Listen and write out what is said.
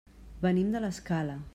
Venim de l'Escala.